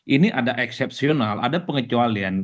ini ada eksepsional ada pengecualian